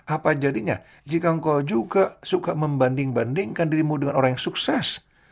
apa jadinya jika engkau juga suka membanding bandingkan dirimu dengan orang yang sukses